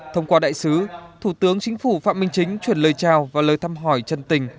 thông qua đại sứ thủ tướng chính phủ phạm minh chính chuyển lời trao và lời thăm hỏi chân tình